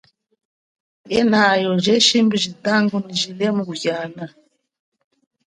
Yenayo ye shimbi jitangu nyi jilemu kuhiana.